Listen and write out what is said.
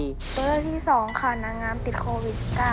เบอร์ที่๒ข่าวนางงามติดโควิด๙